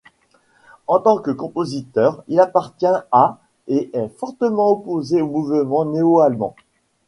En tant que compositeur, il appartient à et est fortement opposé au mouvement néo-allemand.